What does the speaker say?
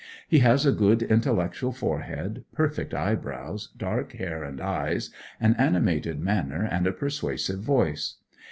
He has a good intellectual forehead, perfect eyebrows, dark hair and eyes, an animated manner, and a persuasive voice.